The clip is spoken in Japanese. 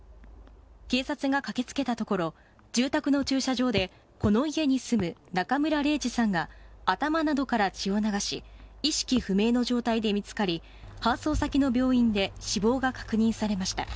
警察が駆けつけたところ住宅の駐車場でこの家に住む中村礼治さんが頭などから血を流し意識不明の状態が見つかり搬送先の病院で死亡が確認されました。